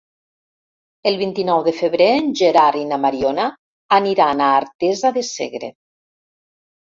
El vint-i-nou de febrer en Gerard i na Mariona aniran a Artesa de Segre.